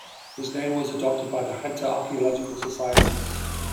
His name was adopted by the Hunter Archaeological Society.